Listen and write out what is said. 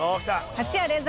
８夜連続